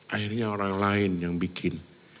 akhirnya orang lain yang bikin